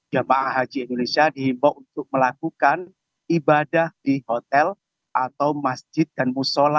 jemaah haji indonesia dihimbau untuk melakukan ibadah di hotel atau masjid dan musola